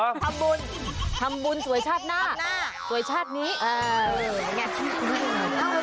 ทำบุญทำบุญสวยชาติหน้าสวยชาตินี้เออไง